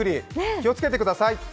気をつけてください。